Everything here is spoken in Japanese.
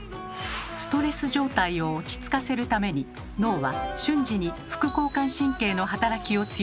ストレス状態を落ち着かせるために脳は瞬時に副交感神経の働きを強め優位にします。